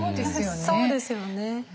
そうですよね。